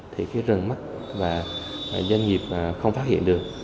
thì cái rừng mắt và doanh nghiệp không phát hiện được